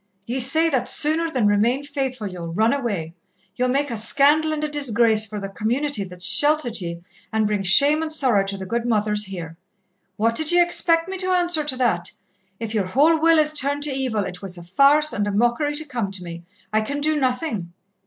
Ye say that sooner than remain faithful ye'll run away ye'll make a scandal and a disgrace for the Community that's sheltered ye, and bring shame and sorrow to the good Mothers here. What did ye expect me to answer to that? If your whole will is turned to evil, it was a farce and a mockery to come to me I can do nothing.